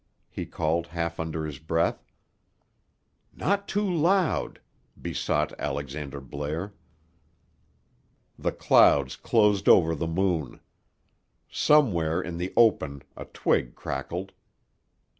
he called half under his breath. "Not too loud," besought Alexander Blair. The clouds closed over the moon. Somewhere in the open a twig crackled.